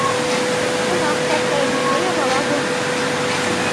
Чӑнах та, тӗлӗнмелле япала ку.